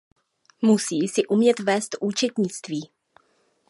Musí si umět vést účetnictví.